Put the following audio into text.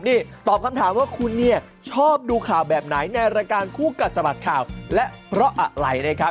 นี่ตอบคำถามว่าคุณเนี่ยชอบดูข่าวแบบไหนในรายการคู่กัดสะบัดข่าวและเพราะอะไรนะครับ